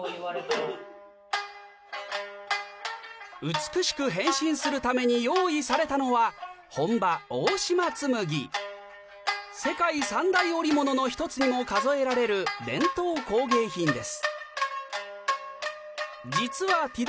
美しく変身するために用意されたのは世界三大織物の一つにも数えられる伝統工芸品です